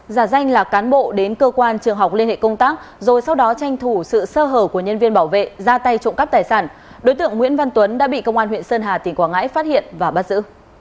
giả danh là cán bộ đến cơ quan trường học liên hệ công tác rồi sau đó tranh thủ sự sơ hở của nhân viên bảo vệ ra tay trộm cắp tài sản đối tượng nguyễn văn tuấn đã bị công an huyện sơn hà tỉnh quảng ngãi phát hiện và bắt giữ